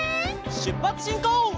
しゅっぱつしんこう！